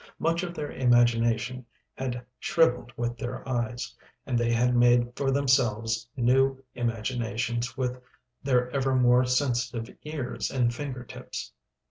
Much of their imagination had shrivelled with their eyes, and they had made for themselves new imaginations with their ever more sensitive ears and finger tips.